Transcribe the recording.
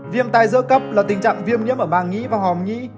viêm tai dữa cấp là tình trạng viêm nhiễm ở màng nghĩ và hòm nghĩ